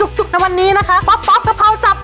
หลังจากนี้วันนี้นะคะป๊อปป๊อกกะเพราจับกันค่ะ